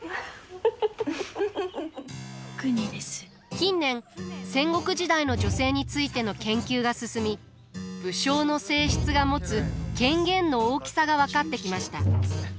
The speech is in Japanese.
近年戦国時代の女性についての研究が進み武将の正室が持つ権限の大きさが分かってきました。